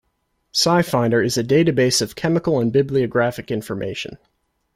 SciFinder is a database of chemical and bibliographic information.